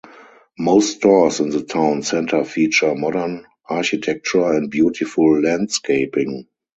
Most stores in the town centre feature modern architecture and beautiful landscaping.